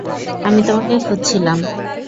আমি তোমাকে খুঁজছিলাম।